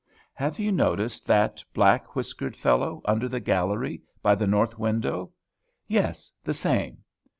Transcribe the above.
"Have you noticed that black whiskered fellow, under the gallery, by the north window? Yes, the same.